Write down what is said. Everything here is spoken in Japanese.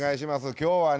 今日はね